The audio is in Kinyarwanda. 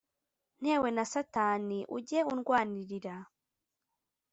Ntewe na satani ujye undwanirira